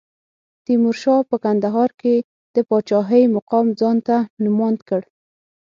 تیمورشاه په کندهار کې د پاچاهۍ مقام ته ځان نوماند کړ.